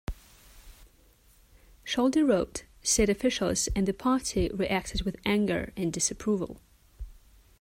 Scholder wrote: state officials and the Party reacted with anger and disapproval.